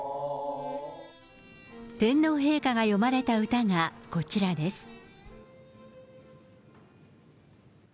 天皇陛下が詠まれた歌がこちらです。